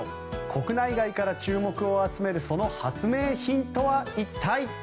国内外から注目を集めるその発明品とは一体？